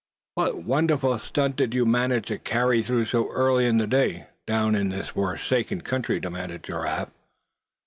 "What wonderful stunt did you manage to carry through so early in the day, down in this forsaken country?" demanded Giraffe.